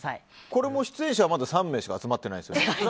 これも出演者はまだ３名しか集まっていないんですか？